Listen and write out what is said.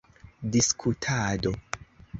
diskutado